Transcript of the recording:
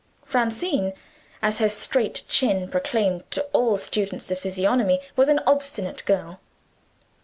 Francine (as her straight chin proclaimed to all students of physiognomy) was an obstinate girl.